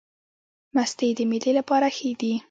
مستې د معدې لپاره ښې دي